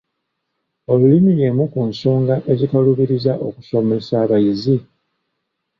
Olulimi y'emu ku nsonga ezikaluubiriza okusomesa abayizi?